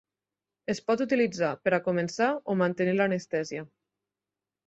Es pot utilitzar per a començar o mantenir l'anestèsia.